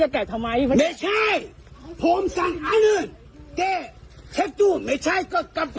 ครับ